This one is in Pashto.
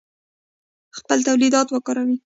خپل تولیدات وکاروئ